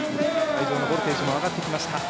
会場のボルテージも上がってきました。